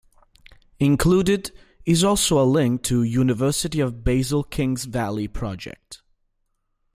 Included is also a link to "University of Basel King's Valley Project".